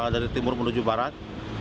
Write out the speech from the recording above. dari timur menuju barat